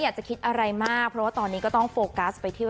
ก็จะมีเพื่อนของเบาสาวเนี่ย